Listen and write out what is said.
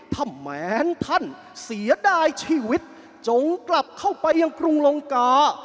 ถ้าแมนท่านเสียดายชีวิตจงกลับเข้าไปยังกรุงลงกา